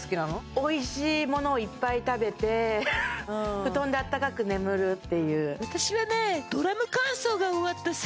おいしいものをいっぱい食べて布団で暖かく眠るっていうあ分かる！